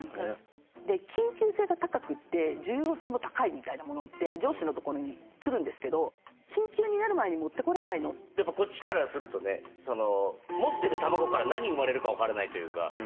緊急性が高くって重要性も高いみたいなものって上司の所に来るんですけどやっぱこっちからするとね持ってる卵から何生まれるか分からないというか。